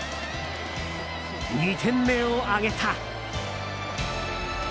２点目を挙げた。